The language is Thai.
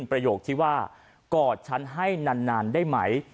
ประโยคที่ว่ากอดฉันให้นานได้ไหม